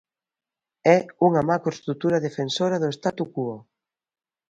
É unha macroestrutura defensora do statu quo.